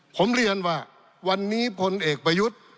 ผมเรียนว่าวันนี้พลเอกประยุทธ์